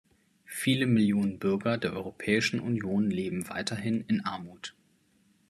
Viele Millionen Bürger der Europäischen Union leben weiterhin in Armut.